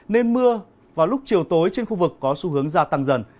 nên mưa vào lúc chiều tối trên khu vực có xu hướng gia tăng dần